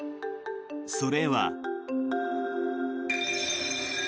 それは。